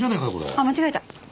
あっ間違えた。